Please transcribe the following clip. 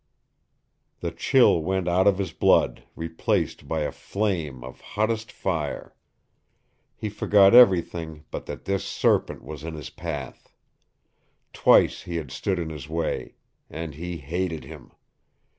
The chill went out of his blood, replaced by a flame of hottest fire. He forgot everything but that this serpent was in his path. Twice he had stood in his way. And he hated him.